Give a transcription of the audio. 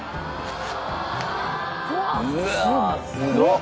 うわすごっ！